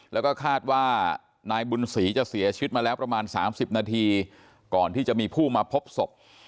แล้วก็คาดว่านายบุญศรีจะเสียชีวิตมาแล้วประมาณ๓๐นาทีก่อนที่จะมีผู้มาพบศพ